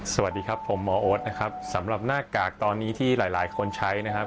สวัสดีครับผมหมอโอ๊ตนะครับสำหรับหน้ากากตอนนี้ที่หลายหลายคนใช้นะครับ